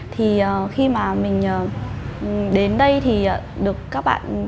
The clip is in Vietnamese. thì khi mà mình đến đây thì được các bạn